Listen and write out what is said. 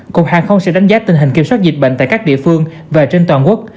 cục hàng không sẽ đánh giá tình hình kiểm soát dịch bệnh tại các địa phương và trên toàn quốc